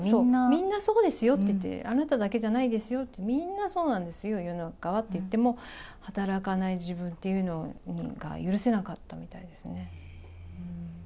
みんなそうですよって、あなただけじゃないですよって、みんなそうなんですよ、世の中はって言っても、働かない自分というのが許せなかったみたいですね。